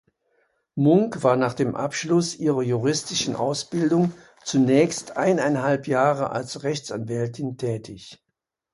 Munk war nach dem Abschluss ihrer juristischen Ausbildung zunächst eineinhalb Jahre als Rechtsanwältin tätig.